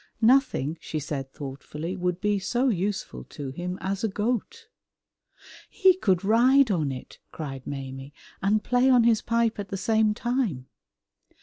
"Nothing," she said thoughtfully, "would be so useful to him as a goat." "He could ride on it," cried Maimie, "and play on his pipe at the same time!"